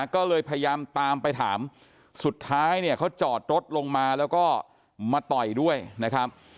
ก็เลยพยายามตามไปถามสุดท้ายเนี่ยเขาจอดรถลงมาแล้วก็มาต่อยด้วยนะครับ